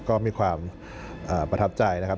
ก็มีความประทับใจนะครับ